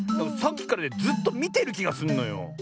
さっきからねずっとみてるきがすんのよ。